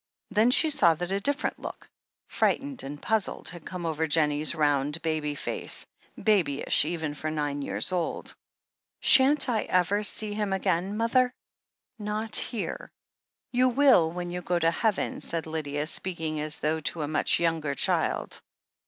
Then she saw that a different look, frightened and puzzled, had come over Jennie's roiuid, baby face — babyish, even for nine years old. "Shan't I ever see him again, mother?" "Not here. You will when you go to heaven," said Lydia, speaking as though to a much younger child.